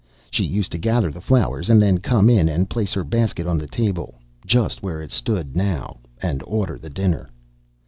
She used to gather the flowers, and then come in and place her basket on the table, just where it stood now, and order the dinner.